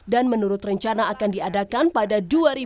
dan menurut rencana akan diadakan pada dua ribu dua puluh lima